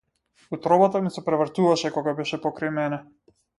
Утробата ми се превртуваше кога беше покрај мене.